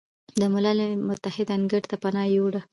د ملل متحد انګړ ته پناه ویوړه،